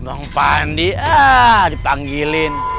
bang pandi ah dipanggilin